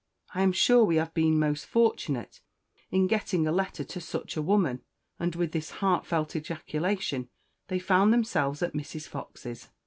I am sure we have been most fortunate in getting a letter to such a woman." And with this heartfelt ejaculation they found themselves at Mrs. Fox's.